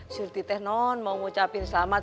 surti teh non mau ngucapin selamat